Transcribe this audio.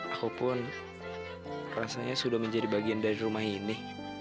aku pun rasanya sudah menjadi bagian dari rumah ini